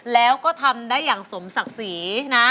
แล้วก็ทำได้อย่างสมศักดิ์ศรีนะ